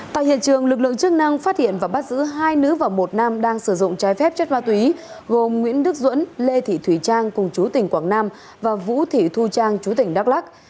tại hiện trường lực lượng chức năng phát hiện và bắt giữ hai nữ và một nam đang sử dụng trái phép chất ma túy gồm nguyễn đức duẫn lê thị thùy trang cùng chú tỉnh quảng nam và vũ thị thu trang chú tỉnh đắk lắc